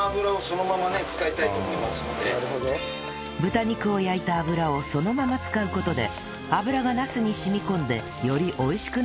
豚肉を焼いた油をそのまま使う事で油がナスに染み込んでより美味しくなるというのです